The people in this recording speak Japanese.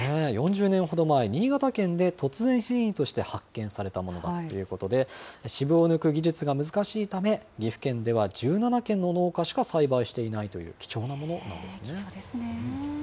４０年ほど前、新潟県で突然変異として発見されたものだということで、渋を抜く技術が難しいため、岐阜県では１７軒の農家しか栽培していないという貴重なも貴重ですね。